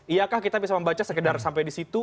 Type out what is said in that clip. iyakah kita bisa membaca sekedar sampai di situ